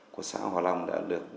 của xã hòa long đã được